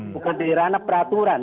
bukan di ranah peraturan